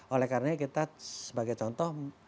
oleh karena kita sebagai contoh